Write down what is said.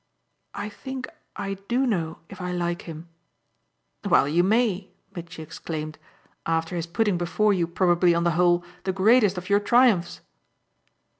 "I think I do know if I like him." "Well you may," Mitchy exclaimed, "after his putting before you probably, on the whole, the greatest of your triumphs."